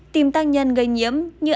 tìm tác nhân gây nhiễm như